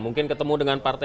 mungkin ketemu dengan partai